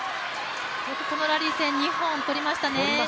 よくこのラリー戦、２本取りましたね。